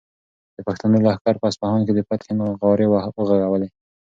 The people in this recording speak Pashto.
د پښتنو لښکر په اصفهان کې د فتحې نغارې وغږولې.